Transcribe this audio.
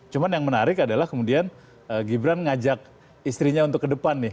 cuma yang menarik adalah kemudian gibran ngajak istrinya untuk ke depan nih